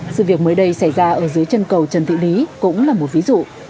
sự việc mới đây xảy ra ở dưới chân cầu trần thị lý cũng là một ví dụ